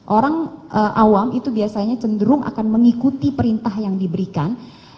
orang awam itu biasanya cenderung akan mengikuti perintah yang diberikan